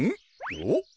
おっ？